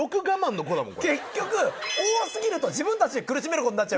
結局多過ぎると自分たちを苦しめることになっちゃうから。